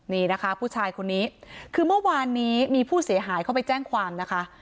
นี่นะคะผู้ชายคนนี้คือเมื่อวานนี้มีผู้เสียหายเข้าไปแจ้งความนะคะ